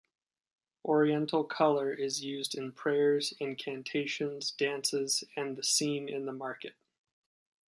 Oriental colour is used in prayers, incantations, dances and the scene in the market.